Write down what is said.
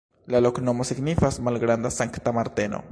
La loknomo signifas: malgranda-Sankta Marteno.